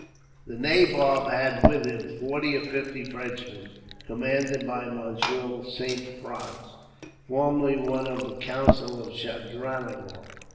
The nabob had with him forty or fifty Frenchmen, commanded by Monsieur Saint Frais, formerly one of the council of Chandranagore.